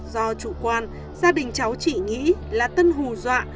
do chủ quan gia đình cháu chỉ nghĩ là tân hù dọa